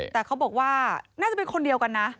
แต่เขาบอกว่าน่าจะเป็นคนเดียวกันนะ